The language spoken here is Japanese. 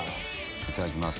いただきます。